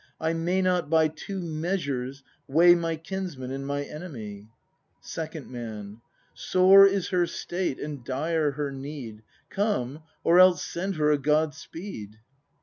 ] I may not by two measures weigh My kinsman and my enemy. Second Man. Sore is her state and dire her need; Come, or else send her a God speed!